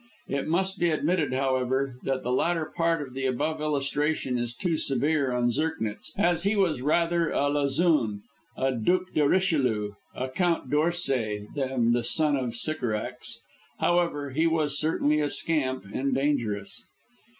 It must be admitted, however, that the latter part of the above illustration is too severe on Zirknitz, as he was rather a Lazun, a Duc de Richelieu, a Count D'Orsay than the son of Sycorax. However, he was certainly a scamp and dangerous.